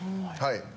はい。